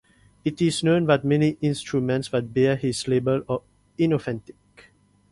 It is known that many instruments that bear his label are inauthentic.